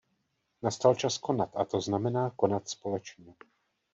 Nastal čas konat, a to znamená konat společně!